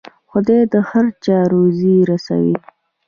خدای د هر چا روزي رسوي.